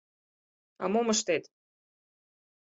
— А мом ыштет?..